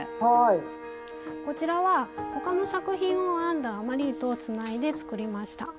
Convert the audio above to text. こちらは他の作品を編んだ余り糸をつないで作りました。